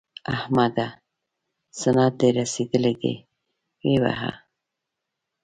احمده! سنت دې رسېدلي دي؛ ویې وهه.